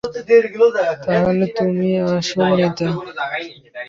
তাহলে তুমিই আসল নেতা?